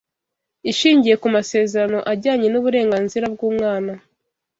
Ishingiye ku masezerano ajyanye n’Uburenganzira bw’umwana